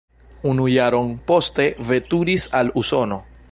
Unu jaron poste veturis al Usono.